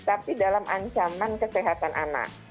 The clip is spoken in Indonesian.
tapi dalam ancaman kesehatan anak